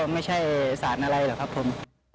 ไม่ใช่สารอะไรหรอกครับผม